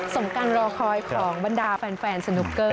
สมการรอคอยของบรรดาแฟนสนุกเกอร์